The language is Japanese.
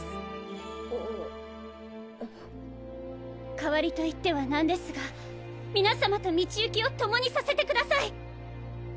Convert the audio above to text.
代わりと言ってはなんですが皆さまと道行きを共にさせてください！